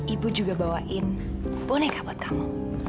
ibu juga bawain bolehkah buat kamu